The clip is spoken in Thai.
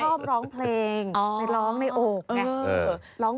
คนชอบร้องเพลงร้องในโอกไง